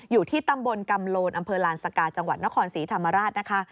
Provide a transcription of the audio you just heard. อยู่ที่ตำบลกำโลนอำเภอลานสกาจังหวัดนครศรีธรรมราชนะคะ